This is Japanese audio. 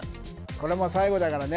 これもう最後だからね